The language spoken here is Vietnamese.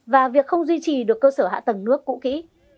và việc không duy trì được cơ sở hạ tầng nước cũ kỹ